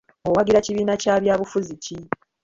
Owagira kibiina kya byabufuzi ki?